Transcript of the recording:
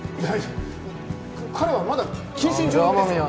彼はまだ謹慎中の身ですよ